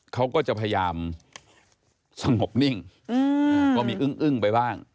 เขาก็จะพยายามสงบนิ่งก็มีอึ้งไปบ้าง